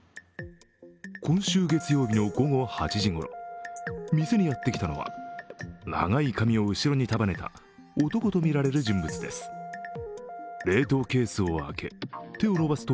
今週月曜日の午後８時ごろ店にやってきたのは長い髪を後ろに束ねた男とみられる人物です。